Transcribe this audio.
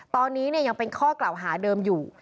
ตอนนี้ยังเป็นข้อกล่าวหาเดิมอยู่